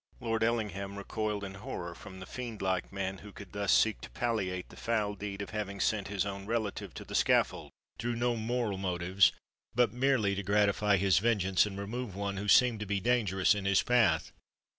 Lord Ellingham recoiled in horror from the fiend like man who could thus seek to palliate the foul deed of having sent his own relative to the scaffold, through no moral motives, but merely to gratify his vengeance and remove one who seemed to be dangerous in his path.